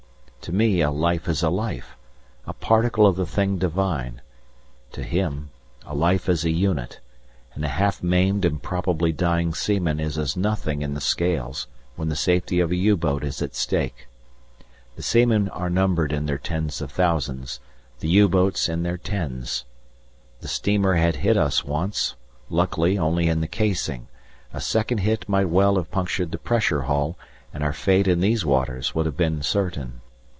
To me a life is a life, a particle of the thing divine; to him a life is a unit, and a half maimed and probably dying seaman is as nothing in the scales when the safety of a U boat is at stake. The seamen are numbered in their tens of thousands, the U boats in their tens. The steamer had hit us once, luckily only in the casing, a second hit might well have punctured the pressure hull, and our fate in these waters would have been certain.